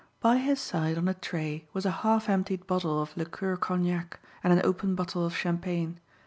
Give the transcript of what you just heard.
By his side on a tray was a half emptied bottle of liqueur cognac and an open bottle of champagne.